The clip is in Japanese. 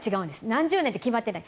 何十年って決まっていない。